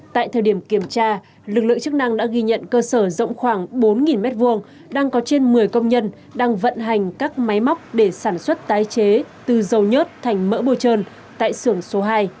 tại thời điểm kiểm tra lực lượng chức năng đã ghi nhận cơ sở rộng khoảng bốn m hai đang có trên một mươi công nhân đang vận hành các máy móc để sản xuất tái chế từ dầu nhớt thành mỡ bồ trơn tại xưởng số hai